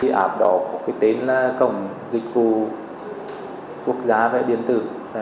cái ảp đỏ có cái tên là cổng dịch vụ quốc gia và điện tử